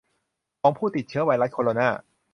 ของผู้ติดเชื้อไวรัสโคโรนา